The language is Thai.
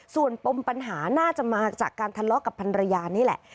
ส่วนปมปัญหาน่าจะมาจากการทะเลาะกับพันรยานี่แหละ